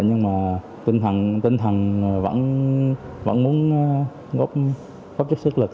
nhưng mà tinh thần vẫn muốn góp chất sức lực